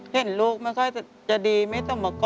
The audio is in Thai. เห็นลูกไม่ค่อยจะดีไม่ต้องมาก้อ